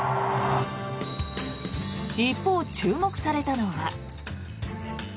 一方、注目されたのは。